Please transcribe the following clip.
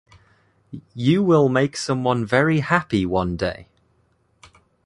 You will make someone very happy one day.